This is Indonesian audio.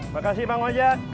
makasih bang ojak